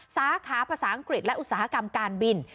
สาขาภาษาอังกฤษและอุตสาหกรรมการบิน